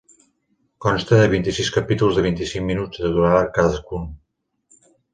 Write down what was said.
Consta de vint-i-sis capítols de vint-i-cinc minuts de durada cadascun.